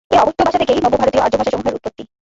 এ অবহট্ঠ ভাষা থেকেই নব্য ভারতীয় আর্যভাষাসমূহের উৎপত্তি।